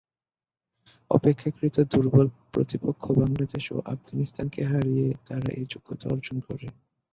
অপেক্ষাকৃত দুর্বল প্রতিপক্ষ বাংলাদেশ ও আফগানিস্তানকে হারিয়ে তারা এ যোগ্যতা অর্জন করে।